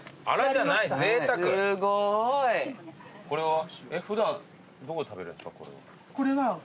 これは。